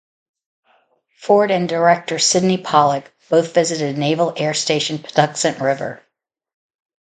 Ford and director Sydney Pollack both visited Naval Air Station Patuxent River.